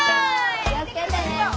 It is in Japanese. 気をつけてね。